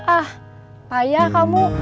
ah payah kamu